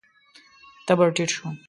تبر ټيټ شو.